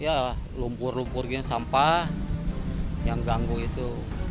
sekarang banyak lumpur lumpur sampah yang mengganggu itu